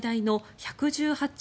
１１８兆